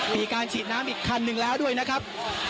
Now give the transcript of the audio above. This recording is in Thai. มีการฉีดน้ำอีกคันหนึ่งแล้วด้วยนะครับ